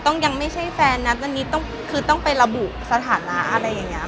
ต้องยังไม่ใช่แฟนนะตอนนี้คือต้องไประบุสถานะอะไรอย่างนี้มันยังก่อนนะคะ